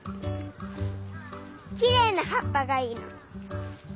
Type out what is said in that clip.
きれいなはっぱがいいの。